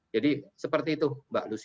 jadi seperti itu mbak lucy